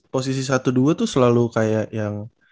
posisi satu dua tuh selalu kayak yang